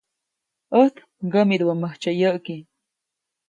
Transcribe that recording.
ʼÄjt mkämidubäʼmäjtsyä yäʼki.